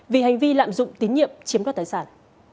vì hành vi lạm dụng tín nhiệm chiếm đoạt tài sản